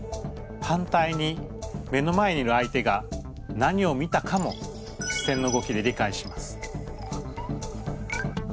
反対に目の前にいる相手が何を見たかも視線の動きで理解します。